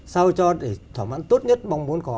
sao cho để thỏa mãn tốt nhất bóng bốn cỏ